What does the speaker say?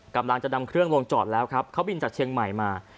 กำลังจะนำเครื่องลงจอดแล้วครับเขาบินจากเชียงใหม่มา